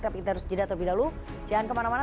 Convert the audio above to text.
tapi kita harus jadat lebih dahulu jangan kemana mana